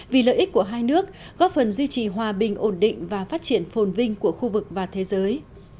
vì lợi ích của hai nước góp phần duy trì hòa bình ổn định và phát triển phồn vinh của khu vực và thế giới